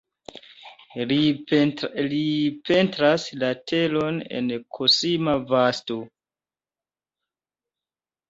Li pentras la teron en kosma vasto.